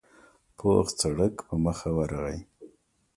پوخ سړک په مخه ورغی.